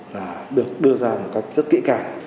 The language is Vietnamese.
là được đưa ra một cách